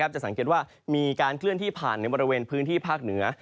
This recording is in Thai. จะสังเกตว่ามีการเคลื่อนที่ผ่านในบริเวณพื้นที่ภาคเหนือ